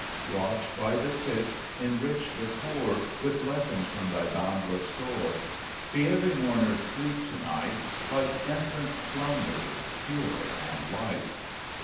5 Watch by the sick ; enrich the poor With blessings from Thy boundless store ; Be every mourner's sleep to night, Like infants' slumbers, pure and light.